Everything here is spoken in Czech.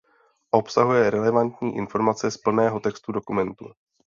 Obsahuje relevantní informace z plného textu dokumentu.